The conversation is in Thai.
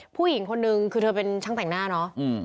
ผู้หญิงคนนึงคือเธอเป็นช่างแต่งหน้าเนาะ